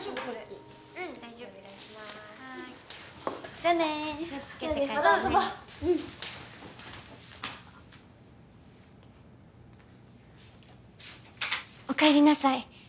じゃあねーじゃあねまた遊ぼううんお帰りなさい